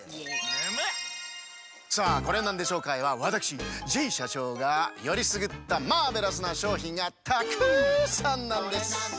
さあコレナンデ商会はわたくしジェイしゃちょうがよりすぐったマーベラスなしょうひんがたくさんなんです。